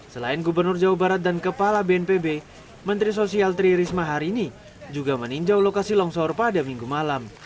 selain gubernur jawa barat dan kepala bnpb menteri sosial tri risma hari ini juga meninjau lokasi longsor pada minggu malam